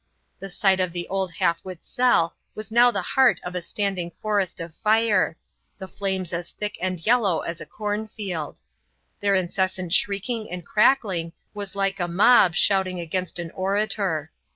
The site of the old half wit's cell was now the heart of a standing forest of fire the flames as thick and yellow as a cornfield. Their incessant shrieking and crackling was like a mob shouting against an orator.